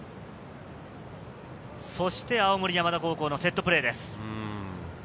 そして青森山田高校のセットプレーです。